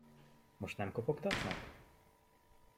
Most nem kopogtatnak?